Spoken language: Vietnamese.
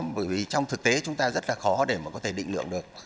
bởi vì trong thực tế chúng ta rất khó để có thể định lượng được